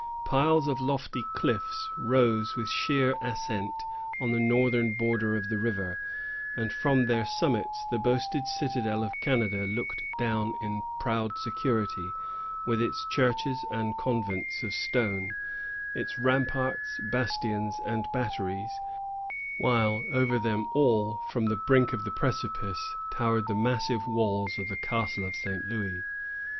Piles of lofty cliffs rose with sheer ascent on the northern border of the river; and from their summits the boasted citadel of Canada looked down in proud security, with its churches and convents of stone, its ramparts, bastions, and batteries; while over them all, from the brink of the precipice, towered the massive walls of the Castle of St. Louis.